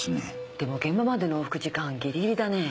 でも現場までの往復時間ギリギリだね。